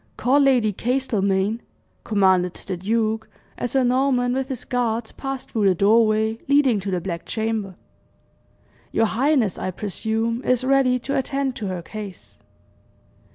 "Call Lady Castlemaine," commanded the duke, as Sir Norman with his guards passed through the doorway leading to the Black Chamber. "Your highness, I presume, is ready to attend to her case."